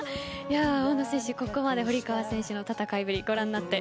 大野選手、ここまで堀川選手の戦いぶり